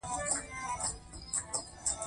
عقلي مبحثونه کمرنګه شول.